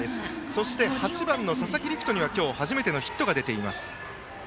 そして、８番の佐々木陸仁には今日初めてのヒットが出ています。